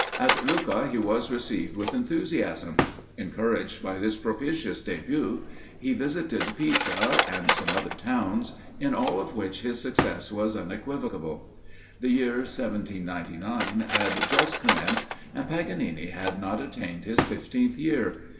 At Lucca he was received with enthusiasm. Encouraged by this propitious débût, he visited Pisa, and some other towns, in all of which his success was unequivocal. The year 1799 had just commenced, and Paganini had not attained his fifteenth year.